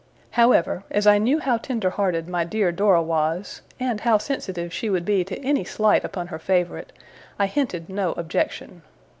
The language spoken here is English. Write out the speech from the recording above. However, as I knew how tender hearted my dear Dora was, and how sensitive she would be to any slight upon her favourite, I hinted no objection.